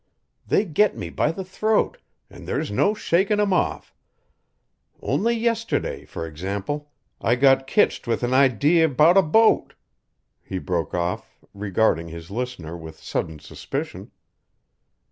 They get me by the throat, an' there's no shakin' 'em off. Only yesterday, fur example, I got kitched with an idee about a boat " he broke off, regarding his listener with sudden suspicion.